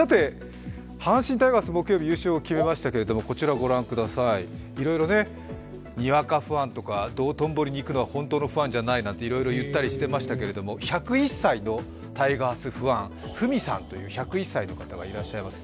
阪神タイガース、木曜日に優勝決めましたけどいろいろにわかファンとか、道頓堀に行くのは本当のファンじゃないなんていろいろ言ったりしていましたけど１０１歳のタイガースファン、フミさんという１０１歳の方がいらっしゃいます。